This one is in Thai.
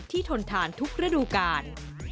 ที่ทนทานทุกระดูการ